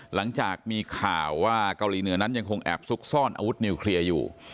หลังจากมีข่าวว่าเกาหลีเหนือนั้นยังคงแอบซุกซ่อนอาวุธนิวเคลียร์อยู่